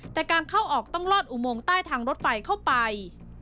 แต่การเข้าออกต้องลอดอุโมงใต้ทางรถไฟเข้าไป